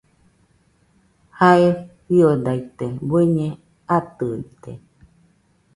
Jae fiodaite bueñe atɨite